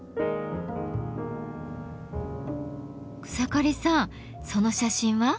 草刈さんその写真は？